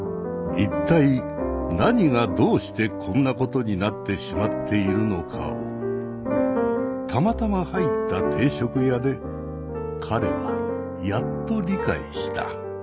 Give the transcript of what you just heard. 一体何がどうしてこんなことになってしまっているのかをたまたま入った定食屋で彼はやっと理解した。